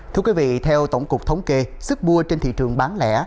thưa quý vị theo tổng cục thống kê sức mua trên thị trường bán lẻ